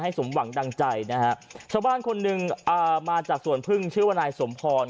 สมหวังดังใจนะฮะชาวบ้านคนหนึ่งอ่ามาจากสวนพึ่งชื่อว่านายสมพร